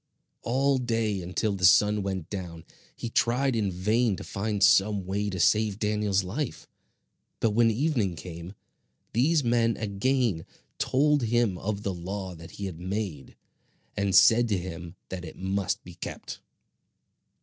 All day, until the sun went down, he tried in vain to find some way to save Daniel's life; but when evening came, these men again told him of the law that he had made, and said to him that it must be kept.